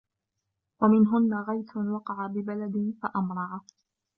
وَمِنْهُنَّ غَيْثٌ وَقَعَ بِبَلَدٍ فَأَمْرَعَ